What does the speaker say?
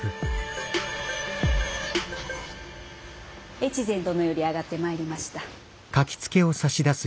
越前殿より上がってまいりました